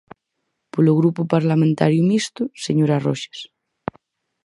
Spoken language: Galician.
Polo Grupo Parlamentario Mixto, señora Roxas.